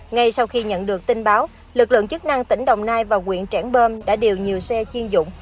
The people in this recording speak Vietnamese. ngay sau khi nhận được tin báo lực lượng chức năng tỉnh đồng nai và quyện trãn bơm đã điều nhiều xe chiên dụng